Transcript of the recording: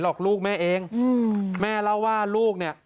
อกลูกแม่เองอืมแม่เล่าว่าลูกเนี่ย